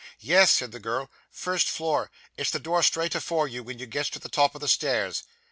'Yes,' said the girl, 'first floor. It's the door straight afore you, when you gets to the top of the stairs.